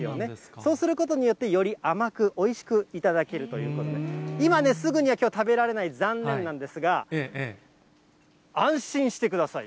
そうすることによって、より甘くおいしく頂けるということで、今ね、すぐにはきょう、食べられない、残念なんですが、安心してください。